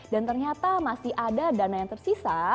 dan ternyata masih ada dana yang tersisa